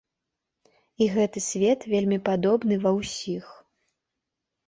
І гэты свет вельмі падобны ва ўсіх.